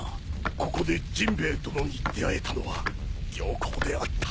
ここでジンベエ殿に出会えたのは僥倖であった。